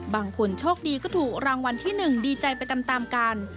บางคนโชคดีก็ถูกรางวัลที่๑ดีใจไปตามกัน